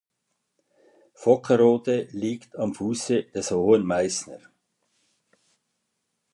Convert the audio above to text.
Vockerode liegt am Fuße des Hohen Meißner.